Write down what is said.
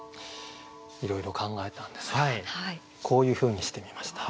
いろいろ考えたんですがこういうふうにしてみました。